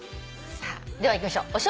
さあではいきましょう。